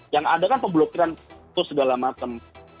yang ada kan pemblokiran terus segala macam